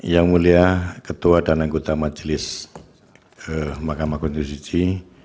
yang mulia ketua dan anggota majelis mahkamah konstitusi